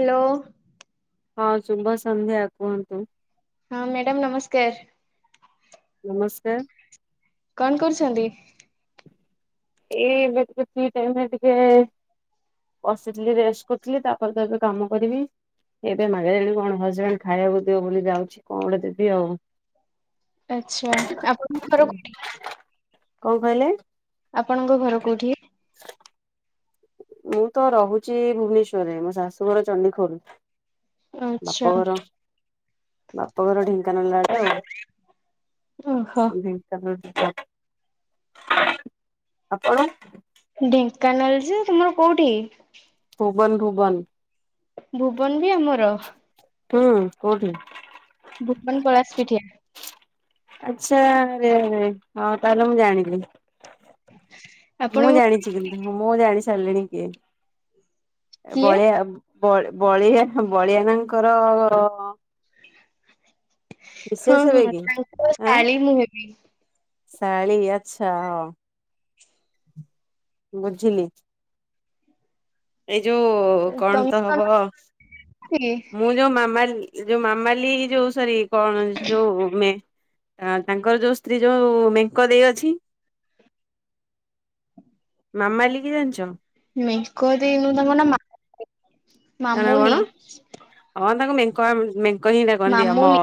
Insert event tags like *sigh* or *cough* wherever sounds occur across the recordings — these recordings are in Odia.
ହାଲୋ। ହଁ ଶୁଭ ସନ୍ଧ୍ୟା କୁହନ୍ତୁ। ହଁ ମ୍ୟାଡ଼ମ ନମସ୍କାର। ନମସ୍କାର। କଣ କରୁଛନ୍ତି। ଏଇ ଏବେ ଟିକେ ଫ୍ରି ଟାଇମ ରେ ଟିକେ ବସିଥିଲି ରେଷ୍ଟ କରୁଥିଲି ତାପରେ ତ ଏବେ କାମ କରିବି। ଏବେ ମାଗିଲେଣି କଣ ହଜବେଣ୍ଡ ଖାଇବାକୁ ଦିଅ ବୋଲି ଯାଉଛି କଣ ଗଟେ ଦେବି ଆଉ। ଆଛା ଆପଣଙ୍କର ଘର କୋଉଠି। କଁ କହିଲେ। ଆପଣଙ୍କ ଘର କୋଉଠି। ମୁଁ ତ ରହୁଚି ଭୁବନେଶ୍ଵରରେ ମୋ ଶାଶୁଘର ଚଣ୍ଡିଖୋଲ। ଆଚ୍ଛା ବାପଘର ବାପଘର ଢେଙ୍କାନାଳ ଆଡେ ଆଉ। ଓହୋ ଢେଙ୍କାନାଳ *unintelligible* ଆପଣ। ଢେଙ୍କାନାଳ ଯେ ତୁମର କୋଉଠି? ଭୁବନ ଭୁବନ। ଭୁବନ ବି ଆମର। ହୁଁ କୋଉଠି। ଭୁବନ ପଳାଶ ପିଠିଆ। ଆଚ୍ଛା ଆରେ ଆରେ ହଁ ତାହଲେ ମୁଁ ଜାଣିଲି। ମୁଁ ଆପଣ ଜାଣିଛି କିନ୍ତୁ ମୁଁ ଜାଣି ସାରିଲିଣି କିଏ। ଏ କିଏ? ବଳିଆ ବଳ ବଳିଆ ବଳିଆନାଙ୍କର ହଁ ମିସେସ୍ ହେବେ ହଁ କି? ତାଙ୍କ ଆଁ ଶାଳୀ ମୁଁ ହେବି। ଶାଳୀ ଆଚ୍ଛା ହଁ। ବୁଝିଲି। ଏଇ ଯୋଉ କଣ ତ ହବ କି? ମୁଁ ଯୋଉ ମାମାଲି ଏ ଯୋଉ ମାମାଲି ଯୋଉ ସରି କଣ ଯୋଉ ମେ ଅଁ ତାଙ୍କର ଯୋଉ ସ୍ତ୍ରୀ ଯୋଉ ମେଙ୍କ ଦେଇ ଅଛି। ମାମାଲି କିଏ ଜାଣିଚ। ମେଙ୍କ ଦେଇ ଯୋଉ ତାଙ୍କ ନାଁ ମା ତା ନାଁ କଣ ହଁ ତାଙ୍କୁ ମେଙ୍କ ଆ ମେଙ୍କ ହିଁ ଡାକନ୍ତି ଆମ ମାମୁନି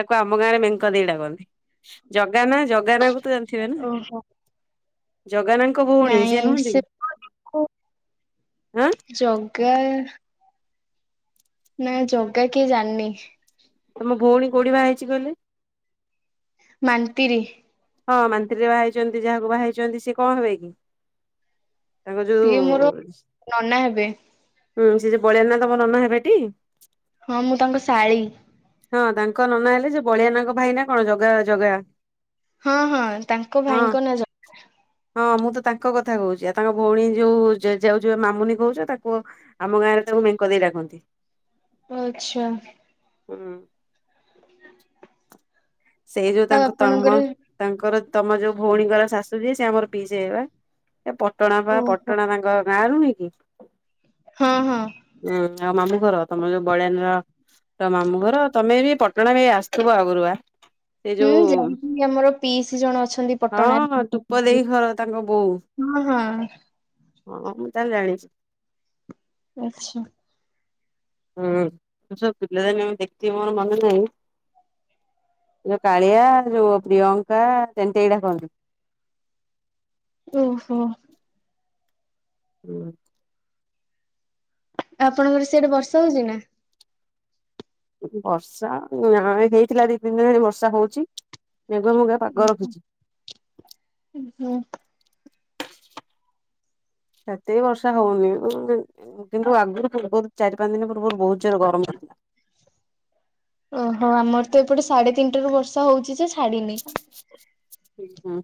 ତାକୁ ଆମ ଗାଁରେ ମେଙ୍କ ଦେଇ ଡାକନ୍ତି ଜଗାନା ଜଗାନା କୁ ତ ଜାଣିଥିବେ ନା। ଓହୋ ଜଗାନାଙ୍କ ଭୋଉଣୀ ସେ ନୁହନ୍ତି କି ଆଁ। ଜଗା ନାଇଁ ଜଗା କିଏ ଜାଣିନି। ତମ ଭୋଉଣୀ କୋଉଠି ବାହା ହେଇଚି କହିଲେ। ମାନତିରି। ହଁ ମାନ୍ତିରିରେ ବାହା ହେଇଚନ୍ତି ଯାହାକୁ ବାହା ହେଇଚନ୍ତି ସିଏ କଣ ହେବେ କି। ତାଙ୍କ ଯୋଉ ସିଏ ମୋର ନନା ହେବେ ହୁଁ ସେ ଯୋଉ ବଳିଆ ନା ତମ ନନା ହେବେଟି। ହଁ ମୁଁ ତାଙ୍କ ଶାଳୀ। ହଁ ତାଙ୍କ ନନା ହେଲେ ସେ ବଳିଆନାଙ୍କ ଭାଇ ନା କଣ ଜଗା ଜଗା। ହଁ ହଁ ତାଙ୍କ ହଁ। ଭାଇଙ୍କ ନା ଜଗା। ହଁ ମୁଁ ତ ତାଙ୍କ କୋହୁଚି ଆଉ ତାଙ୍କ ଭଉଣୀ ଯୋଉ ଯେ ଯାଉ ଯୁଅ ମାମୁନି କୋହୁଚ ତା ପୁଅ ଆମ ଗାଁରେ ତା କୁ ମେଙ୍କ ଦେଇ ଡାକନ୍ତି। ଓ ଆଚ୍ଛା। ହୁଁ। ସେଇ ଯୋଉ ଆଉ ତାଙ୍କ ତମ ଆପଣଙ୍କର ତାଙ୍କର ତମ ଯୋଉ ଭଉଣୀଙ୍କର ଶାଶୁ ଯିଏ ସେ ଆମର ପିଇସୀ ହେବେ ବା ଏ ପଟଣା ବା ଓହୋ ପଟଣା ତାଙ୍କ ଗାଁ ନୁହେଁ କି। ହଁ ହଁ। ଉଁ ଆଉ ମାମୁଁ ଘର ତମ ଯୋଉ ବଳିଆନ ର ତା ମାମୁଁ ଘର ତମେ ବି ଏଁ ପ ପ୍ରଣ ଏ ଆସୁଥିବ ଆଗୁରୁ ବା ସେ ହୁଁ ଯୋଉ ଯାଇକି ଆମର ପିଇସି ଜଣ ଅଛନ୍ତି ହଁ ଟୁପ ପଟଣାରେ ଦେଇ ଘର ତାଙ୍କ ବୋଉ ହଁ ହ ହଁ ମୁଁ ତାହେଲେ ଜାଣିଛି। ଆଚ୍ଛା। ହୁଁ ସବୁ ପିଲା ମୁଁ ଦେଖିଥିବି ମୋର ମନେ ନାହିଁ। ଯୋଉ କାଳିଆ ଯୋଉ ପ୍ରିୟଙ୍କା ଟେଣ୍ଟେଇ ଡାକନ୍ତି। *unintelligible* ଓହୋ ହୁଁ ଆପଣଙ୍କର ସିଆଡେ ବର୍ଷା ହୋଉଛି ନା ବର୍ଷା ନା ହେଇଥିଲା ଦି ତିନି ଦିନ ହେଲାଣି ବର୍ଷା ହଉଛି। ମେଘ ମୁଘା ପାଗ ରଖିଛି। ହୁଁ ସେତିକି ବର୍ଷା ହଉନି କିନ୍ତୁ ଆଗରୁ ପୂର୍ବରୁ ଚାରି ପାଞ୍ଚ ଦିନ ପୂର୍ବରୁ ବହୁତ ଜୋର ଗରମ *unintelligible* ଓହୋ ଆମର ତ ଏପଟେ ସାଢେ ତିନିଟା ରୁ ବର୍ଷା ହଉଛି ଯେ ଛାଡିିନି। ହୁଁ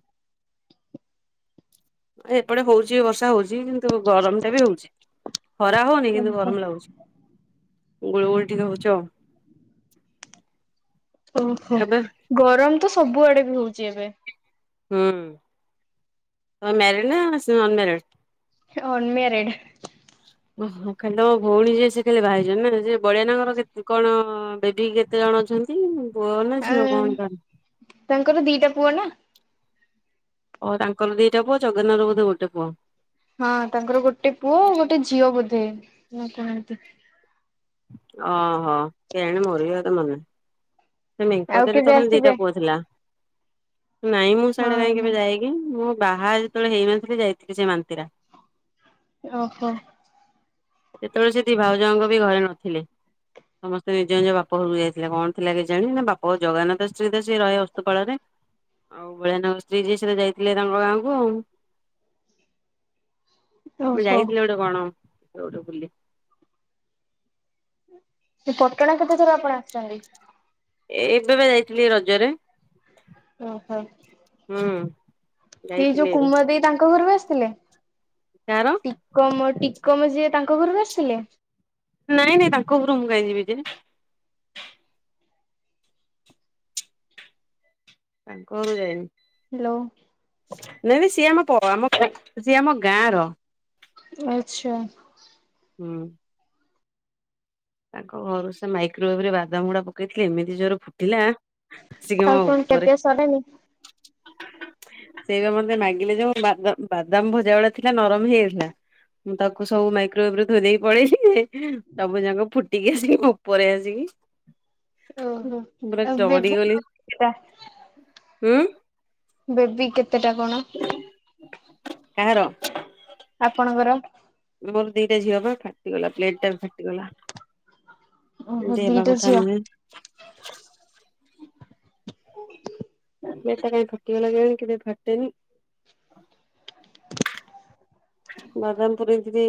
ଏଁ ଏପଟେ ହଉଛି ବର୍ଷା ହଉଛି କିନ୍ତୁ ଗରମ ଟା ବି ହଉଛି। ଖରା ହଉନି କିନ୍ତୁ ଓହୋ ଗରମ ଲାଗୁଛି। ଗୁଳୁ ଗୁଳି ଟିକେ ହଉଚ ଓହୋ ଗରମ ତ ସବୁଆଡେ ବି ହଉଛି ଏବେ। ହୁଁ ତମେ ମ୍ୟାରେଡ୍ ନା ସେ ଅନ୍ ମ୍ୟାରେଡ। Unmarried. ଓହଁ ଖାଲି ତମ ଭଉଣୀ ଯିଏ ସେ ଖାଲି ବାହା ହେଇଚନ୍ତି ନା ସେ ବଳିଆ ନାଙ୍କର କେ କଣ ହଁ *inaudible* କେତେ ଜଣ ଅଛନ୍ତି ପୁଅ ନା ଆ ଝିଅ କଣ କ ତାଙ୍କର ଦିଟା ପୁଅ ନା ଓ ତାଙ୍କର ଦିଟା ପୁଅ ଜଗନ ର ବୋଧେ ଗୋଟେ ପୁଅ। ହଁ ତାଙ୍କର ଗୋଟେ ପୁଅ ଗୋଟେ ଝିଅ ବୋଧେ। *inaudible* ଅ ହୋ କେଜାଣି ମୋର ବି ଆଉ ଏତେ ମନେ ନାହିଁ। ସେ ମେଙ୍କ ଆଉ ଦେଇ ର କେବେ କଣ ଦିଟା ଆସିବେ ପୁଅ ଥିଲା। ନାଇଁ ମୁଁ ହଁ ସିଆଡେ କାଇଁ ହଁ କେବେ ଯାଇକି ମୁଁ ବାହା ଯେତେବେଳେ ହେଇନଥିଲି ଯାଇଥିଲି ସେ ମାନ୍ତିରା ଓହୋ ସେତେବେଳେ ସେ ଦି ଭାଉଜଙ୍କ ବି ଘରେ ନଥିଲେ। ସମସ୍ତେ ନିଜ ନିଜ ବାପ ଘରୁକୁ ଯାଇଥିଲେ କଣ ଥିଲା କେଜାଣି ନା ବାପ ଜଗନ୍ ନା ତା ସ୍ତ୍ରୀ ତ ସେଇ ରହେ ଅସ୍ତପାଳରେ। ଆଉ ବଳିଆ ନା ସ୍ତ୍ରୀ ଯିଏ ସିଏ ତ ଯାଇଥିଲେ ତାଙ୍କ ଗାଁ କୁ ଆଉ ମୁଁ ଓହୋ। ଯାଇଥିଲି ଗୋଟେ କଣ ଗଟେ ବୁଲି ସେଇ ପଟଣା କେତେ ଥର ଆପଣ ଆସିଛନ୍ତି। ଏ ଏବେ ପା ଯାଇଥିଲି ରଜରେ। ଓହୋ ହୁଁ କିଏ ଏ ଯାଇଥିଲି ଯୋଉ ଏବେ କୁମ ଦେଇ ତାଙ୍କ ଘର କୁ ଆସିଥିଲେ। କାହାର ଟିକମ ଟିକମ ଯିଏ ତାଙ୍କ ଘରକୁ ଆସିଥିଲେ। ନାଇଁ ନାଇଁ ତାଙ୍କ ଘରକୁ ମୁଁ କାଇଁ ଯିବି ଯେ। ତାଙ୍କ ଘରରୁ ଯାଇନି। ହ୍ୟାଲୋ ନାଇଁ ନାଇଁ ସିଏ ଆମ ପ ଆମ ସିଏ ଆମ ଗାଁର ଆଚ୍ଛା। ହୁଁ। ତାଙ୍କ ଘରୁ ସେ ମାଇକ୍ରୋଅଭ ରେ ବାଦମ ଗୁଡା ପକେଇଥିଲେ ଏମିତି ଜୋରେ ଫୁଟିଲା ଆସିଛି ଆଉ କଣ ଖିଆ ମୋଉପରେ ପିଆ *inaudible* ସରିଲାଣି? ସେଇଟା ମତେ ମାଗିଲେ ଯୋଉ ବା ବାଦାମ ଭଜା ଭଳିଆ ଥିଲା ନରମ ହେଇଯାଇଥିଲା। ମୁଁ ତାକୁ ସବୁ ମାଇକ୍ରୋବରେ ଧଥୋଇ ଦେଇେଇ ପଳେଲି ସବୁ ଯାକ ଫୁଟିକି ଆସିକି ମୋ ଉପରେ ଆସିକି। ମୁଁ ଓହୋ ପୁରା ଆଉ ଡରି ବେବି ଗଲି କେତେଟା ଉଁ। ବେବି କେତେ ଟା କଣ? କାହାର ଆପଣଙ୍କର? ମୋର ଦିଟା ଝିଅ ପା ଫାଟିଗଲା ପ୍ଲେଟ୍ ଟା। ଓହୋ ଦେବା ଦିଟା କଥା ଝିଅ ନୁହେଁ। *unintelligible* ପ୍ଲେଟ୍ ଟା କେମିତି ଫାଟିଗଲା କେଜାଣି କେବେ ଫାଟେନି। ବାଦାମ୍ ପୁରେଇକିରି।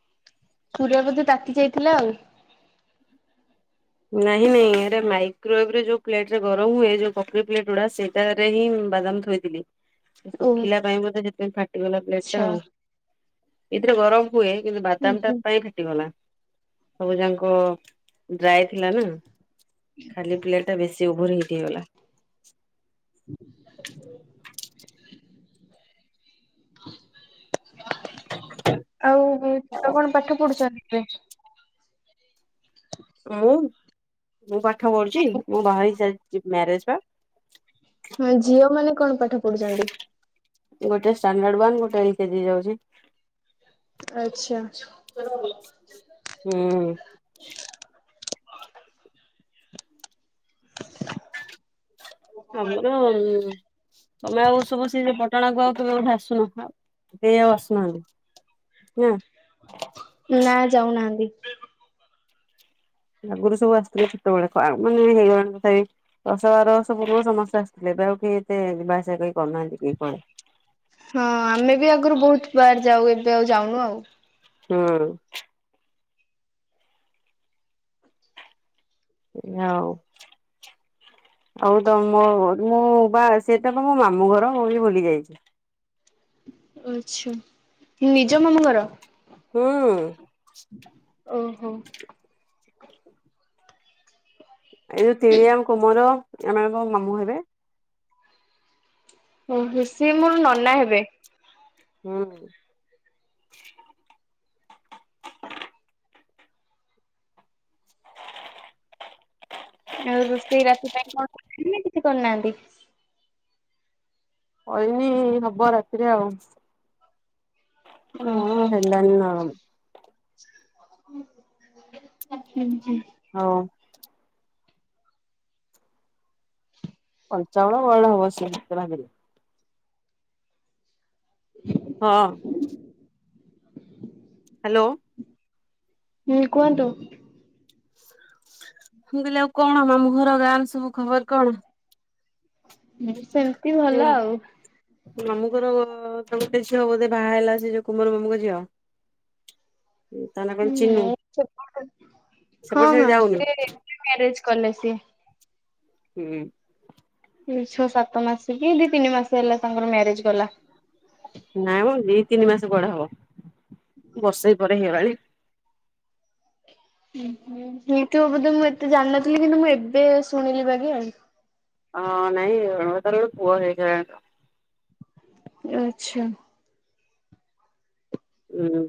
*unintelligible* ଖରିକା ବୋଧେ ତାତି ଯାଇଥିଲା ଆଉ। ନାଇଁ ନାହିଁ ହେରା ମାଇକ୍ରୋବ ରେ ଯୋଉ ପ୍ଲେଟ୍ ରେ ଗରମ୍ ହୁଏ ଯୋଉ ପକ୍ରୀ ପ୍ଲେଟ୍ ଗୁଡ଼ା ସେଇଟାରେ ହିଁ। ବାଦାମ୍ ଥୋଇଥିଲି ଓ ଶୁଖିଲା ପାଇଁ ବୋଧେ ସେ ପ୍ଲେଟ୍। ଫାଟିଗଲା ପ୍ଲେଟ୍ ଟା ଆଉ ଆଚ୍ଛା। ଏଥିରେ ଗରମ୍ ହୁଏ କିନ୍ତୁ ବାଦାମ୍ ଟା ପାଇଁ ଫାଟିଗଲା। ସବୁଯାକ ଡ୍ରାଏ ଥିଲା ନା ଖାଲି ପ୍ଲେଟ୍ ଟା ବେଶୀ। ଓଭୋର୍ ହିଟ୍ ହେଇଗଲା। *unintelligible* ଆଉ ଛୁଆ କଣ ପାଠ ପଢ଼ୁଚନ୍ତି? ମୁଁ ମୁଁ ପାଠ ପଢ଼ୁଚି ମୁଁ ବାହାହେଇ ସାରିଚି ବି ମ୍ୟାରେଜ୍ ପା। ହଁ ଝିଅ ମାନେ କଣ ପାଠ ପଢୁଚନ୍ତି? ଗୋଟେ ଷ୍ଟାଣ୍ଡାର୍ଡ ୱାନ୍ ଗୋଟେ ଏଲ୍ କେଜି ଯାଉଚି। ଆଚ୍ଛା। ହୁଁ। ଆମର ଉମ୍ ତମେ ଆଉ ସବୁ ସେ ଯୋଉ ପଟଣାକୁୁ ଆଉ। ବୋଧେ ଆସୁନ ଆଉ କେହି ଆଉ ଆସୁନାହାନ୍ତି ନା? ନା ଯାଉ ନାହାନ୍ତି। ଆଗୁର୍ ସବୁ ଆସୁଥିଲେ ସେତେବେଳେ ଗାଁ କୁ ଆଉ ମାନେ ହେଇଗଲାଣି ତଥାପି। ଦଶ ବାର ବର୍ଷ ପୂର୍ବରୁ ସମସ୍ତେ ଆସିଥିଲେ ଏବେ ଆଉ କେହି ଏତେ ଯିବା ଆସିବା କେହି କରୁନାହାନ୍ତି କେହି କଣ? ହଁ ଆମେ ବି ଆଗରୁ ବୋ ବାର ଯାଉ ଏବେ ଆଉ ଯାଉନୁ ଆଉ। ହଁ। *unintelligible* ଆଉ ତମ୍ ଘର୍ ରେ ମୁଁ ବା ସେଟା ତ ମୋ ମାମୁଁ ଘର ମୁଁ ବି ବୁଲି ଯାଇଚି। ଆଚ୍ଛା ନିଜ ମାମୁଁ ଘର? ହୁଁ। ଓହୋ। ଏଇ ଯୋଉ ତିଳିଆ କୁମର ଏମାନେ ସବୁ ମାମୁଁ ହେବେ। ଉଁ ହୁଁ ସେ ମୋର ନନା ହେବେ। ହୁଁ। ଆଉ ରୋଷେଇ ରାତି ପାଇଁ କଣ କଲେଣି ନା କିଛି କରି ନାହାନ୍ତି? କରିନି ହବ ରାତିରେ ଆଉ। ଓହୋ ହଁ ହେଲାଣି ନା କଣ? *unintelligible* *unintelligible* *unintelligible* ହଁ। ହାଲୋ। ହୁଁ କୁହନ୍ତୁ। ମୁଁ କହିଲି ଆଉ କଣ ମାମୁଁ ଘର ଗାଁରେ ସବୁ ଖବର୍ କଣ? ହୁଁ ସେମିତି ଭଲ ଆଉ। ମାମୁଁଙ୍କର *unintelligible* ଝିଅ ବୋଧେ ବାହା ହେଲା ସେ ଯୋଉଁ କୁମର ମାମୁଁଙ୍କ ଝିଅ। ତା ନାଁ କଣ ହୁଁ ଚିନୁ ହଁ ସେପଟେ ସେ ହଁ ଯାଉନି ମ୍ୟାରେଜ କଲେ ସେ ହୁଁ ଛଅ ସାତ ମାସ କି ଦି ତିନି ମାସ ହେଲା ତାଙ୍କର ମ୍ୟାରେଜ ଗଲା। ନାଇଁ ଦି ତିନି ମାସ କୁଆଡେ ହବ ବର୍ଷେ ପରେ ହେଇଗଲାଣି। ହେଇ ଥିବ ବୋଧେ ମୁଁ ଏତେ ଜାଣିନଥିଲି କିନ୍ତୁ ମୁଁ ଏବେ ଶୁଣିଲି ବାଗି ଆଉ ହଁ ନାଇ ତାର ଗୋଟେ ପୁଅ ହେଇ ଗଲା। ଆଛା। ହୁଁ।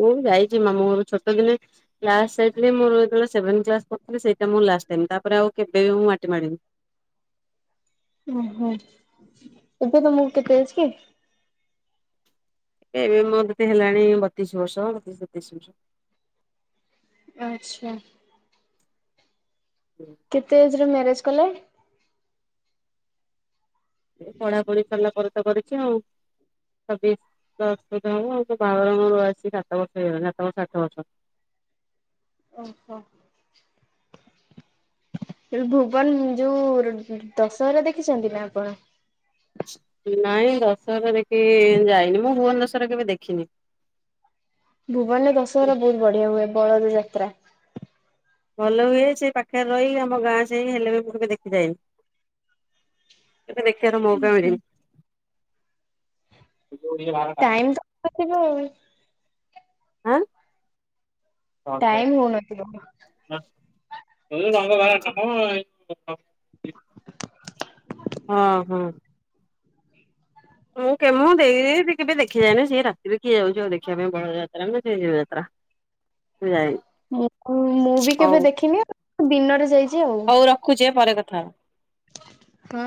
ମୁଁ ଯାଇଛି ମାମୁଁ ଘର ଛୋଟ ଦିନେ କ୍ଲାସ ସାଇଡ ରେ ମୁଁ ଯେତବେଳେ ସେବେନ କ୍ଲାସ ପଢ଼ୁଥିଲି ସେଇଟା ମୁଁ ଲାଷ୍ଟ ତିନିଟା ପରେ ଆଉ କେବେ ମୁଁ ମାଟି ମାଡ଼ିନି। ଓହୋ ଏବେ ତମ କୁ କେତେ ଏଜ କି? ଏ ଏବେ ମୋର କେତେ ହେଲାଣି ବତିଶ ବର୍ଷ ବତିଶ ତେତିଶ ବର୍ଷ ଆଛା। କେତେ ବର୍ଷ ରେ ମ୍ୟାରେଜ କଲ? ପଢ଼ା ପୁଢ଼ି ସରିଲା ପରେ ତ କରିଛି ଆଉ ଛବିଶ *unintelligible* ସାତ ବର୍ଷ ଆଠ ବର୍ଷ *inaudible* ଓହୋ ଏବେ ଭୁବନ ଯୋଉଁ ଦଶହରା ଦେଖିଛନ୍ତି ନା ଆପଣ? ନାଇଁ ଦଶହରା ଦେଖି ଯାଇନି ମୁଁ ଭୁବନ ଦଶହରା କେବେ ଦେଖିନି। ଭୁବନରେ ଦଶହରା ବହୁତ ବଢିଆ ହୁଏ ବଳଦ ଯାତ୍ରା। ଭଲ ହୁଏ ସେ ପାଖରେ ରହିି ଆମ ଗାଁ ସେଇ ହେଲେ ବି ମୁଁ ଟିକେ ଦେଖି ଯାଏନି। କେବେ ଦେଖିବାର ମଉକା ମିଳିନି। ଟାଇମ ତ ଆଉ ଆଁ ହଁ ଟାଇମ ହଉନଥିବ। *unintelligible* ହଁ ହଁ। ମୁଁ କେମୋ ଦେଇ ନାଇଁ କେବେ ଦେଖି ଯାଏନି ସିଏ ରାତିରେ କିଏ ଯାଉଛି ଆଉ ଦେଖିବା ପାଇଁ ବଳ ଯାଉଚି। *unintelligible* ମୁଁ ମୁଁ ବି ହଉ କେବେ ହଉ ଦେଖିନି ଦିନରେ ଯାଇଛି ହୋଉ ରଖୁଛି ପରେ କଥା ହଁ ହଁ